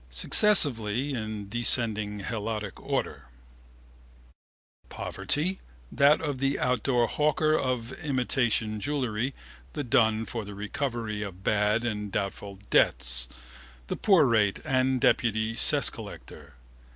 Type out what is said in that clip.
Successively, in descending helotic order: Poverty: that of the outdoor hawker of imitation jewellery, the dun for the recovery of bad and doubtful debts, the poor rate and deputy cess collector.